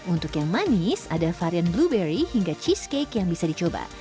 untuk yang manis ada varian blueberry hingga cheesecake yang bisa dicoba